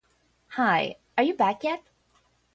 Hi; are you back yet?